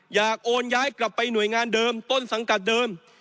อยากโอนแย้นกลับไป๔๕๖๐๐๖๑๐๐๖๑๐๐๐๑หน่วยงานเดิมต้นสังกัดเดิม